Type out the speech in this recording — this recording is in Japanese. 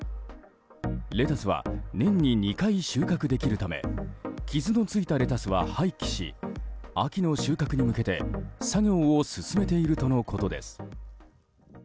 レタスは年に２回収穫できるため傷のついたレタスは廃棄し秋の収穫に向けて作業を進めているとのことです。